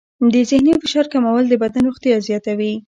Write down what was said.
د ذهني فشار کمول د بدن روغتیا زیاتوي.